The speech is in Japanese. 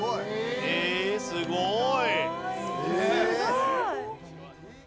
えすごい！